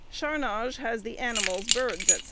Charnage has the animals, birds, &c.